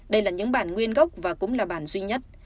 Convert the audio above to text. đây là những bản nguyên gốc và cũng là bản duy nhất